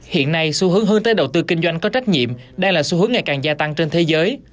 hiện nay xu hướng hướng tới đầu tư kinh doanh có trách nhiệm đang là xu hướng ngày càng gia tăng trên thế giới